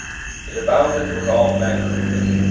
It aboundeth with all manner of fish.